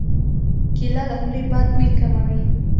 کېله د خولې بد بوی کموي.